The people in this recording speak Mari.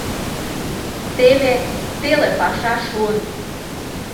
Теве теле паша шуын.